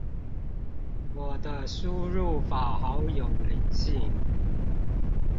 我的輸入法好有靈性